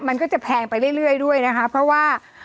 มันก็จะแพงไปเรื่อยด้วยนะค่ะ